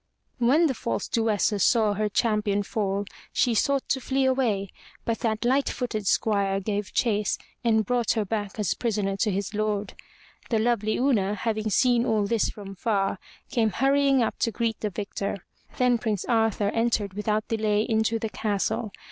When false Duessa saw her champion fall, she sought to flee away, but that light footed squire gave chase and brought her back as prisoner to his lord. The lovely Una, having seen all this from far, came hurrying up to greet the victor. Then Prince Arthur entered without delay into the castle.